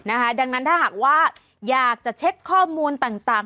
ดังนั้นถ้าหากว่าอยากจะเช็คข้อมูลต่าง